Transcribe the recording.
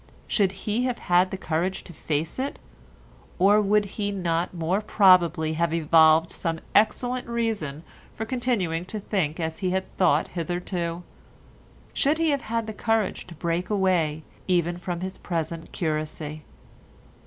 Should he have had the courage to face it, or would he not more probably have evolved some excellent reason for continuing to think as he had thought hitherto? Should he have had the courage to break away even from his present curacy?